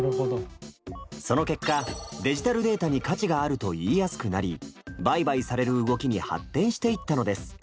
その結果デジタルデータに価値があると言いやすくなり売買される動きに発展していったのです。